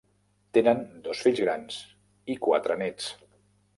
Tenen dos fills grans i quatre néts.